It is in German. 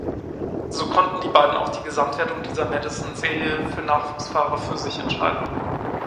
So konnten die beiden auch die Gesamtwertung dieser Madison-Serie für Nachwuchsfahrer für sich entscheiden.